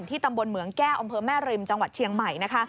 ตำบลเหมืองแก้วอำเภอแม่ริมจังหวัดเชียงใหม่นะคะ